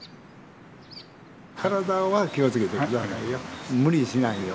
体は気をつけて下さいよ。